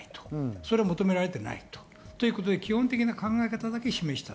それは求められていないということで、基本的な考え方だけ示した。